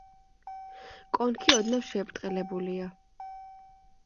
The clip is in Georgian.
კონქი ოდნავ შებრტყელებულია.